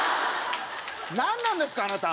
何なんですか⁉あなた。